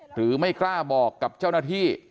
หรือไม่กล้าบอกกับเจ้าหน้าที่